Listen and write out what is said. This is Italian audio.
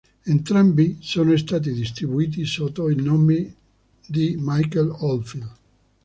Entrambi sono stati distribuiti sotto il nome di Michael Oldfield.